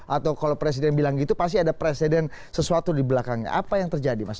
atau kalau presiden bilang gitu pasti ada presiden sesuatu dibelakangnya gitu kan pasti ada yang membuat dia kesal gitu